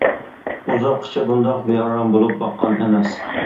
ئۇزاققىچە بۇنداق بىئارام بولۇپ باققان ئەمەس.